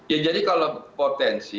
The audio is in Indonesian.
ya jadi kalau potensi